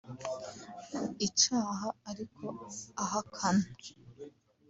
icaha ariko ahakana